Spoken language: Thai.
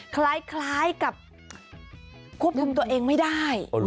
คล้ายกับควบคุมตัวเองไม่ได้